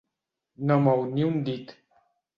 No mou ni un dit.